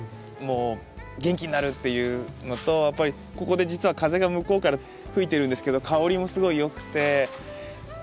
もう元気になるっていうのとやっぱりここで実は風が向こうから吹いてるんですけど香りもすごいよくて。